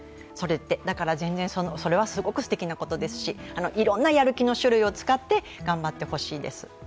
だからそれはすごくすてきなことですし、いろんなやる気の種類を使って頑張ってほしいです。